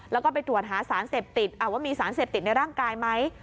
แล้วก็ไปตรวจหาสารเสพติดว่ามีสารเสพติดในร่างกายไหม